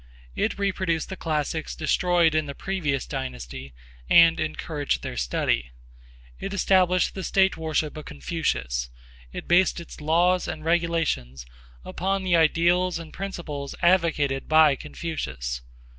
It reproduced the classics destroyed in the previous dynasty and encouraged their study; it established the state worship of Confucius; it based its laws and regulations upon the ideals and principles advocated by Confucius.